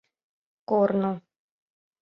Корно.